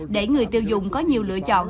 để người tiêu dùng có nhiều lựa chọn